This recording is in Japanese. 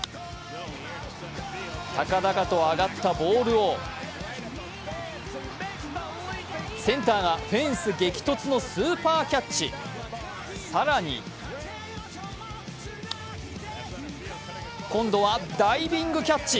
高々と上がったボールをセンターがフェンス激突のスーパーキャッチ、更に今度はダイビングキャッチ。